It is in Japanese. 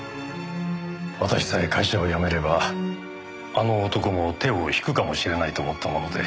私さえ会社を辞めればあの男も手を引くかもしれないと思ったもので。